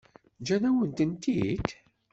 Ǧǧan-awen-tent-id?